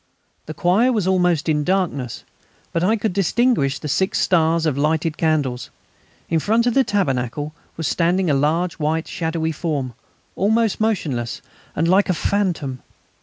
The choir was almost in darkness, but I could distinguish the six stars of the lighted candles. In front of the tabernacle was standing a large white shadowy form, almost motionless and like a phantom.